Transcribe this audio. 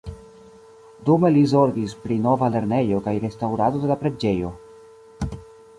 Dume li zorgis pri nova lernejo kaj restaŭrado de la preĝejo.